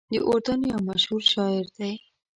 د اردن یو مشهور شاعر دی.